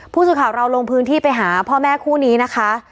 ผู้สื่อข่าวเราลงพื้นที่ไปหาพ่อแม่คู่นี้นะคะ